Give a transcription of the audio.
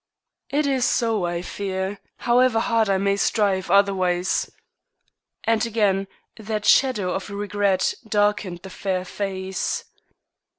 "It is so, I fear, however hard I may strive otherwise." And again that shadow of regret darkened the fair face.